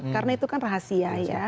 karena itu kan rahasia ya